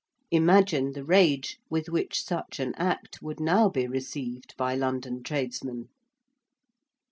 Imagine the rage with which such an Act would now be received by London tradesmen!